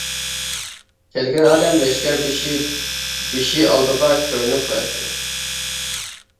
كەلگەن ئادەم لەشكەر بېشى بېشى ئالدىغا كۆرۈنۈپ قوياتتى.